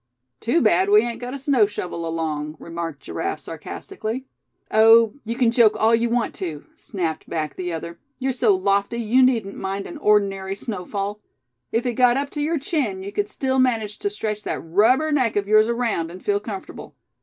"Too bad we ain't got a snow shovel along," remarked Giraffe, sarcastically. "Oh! you can joke all you want to," snapped back the other; "you're so lofty you needn't mind an ordinary snowfall. If it got up to your chin, you could still manage to stretch that rubber neck of yours around, and feel comfortable.